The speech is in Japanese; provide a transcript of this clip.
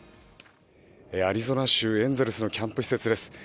アリゾナ州エンゼルスのキャンプ施設です。